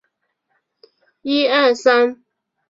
高阇羌人。